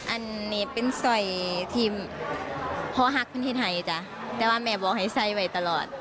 อันนี้เป็นสร้อยทีมพ่อหักพื้นที่ไทยจ้ะแต่ว่าแม่บอกให้ใส่ไว้ตลอด